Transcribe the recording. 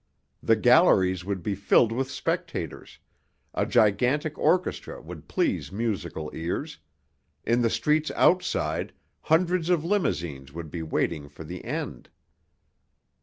The galleries would be filled with spectators; a gigantic orchestra would please musical ears; in the streets outside, hundreds of limousines would be waiting for the end.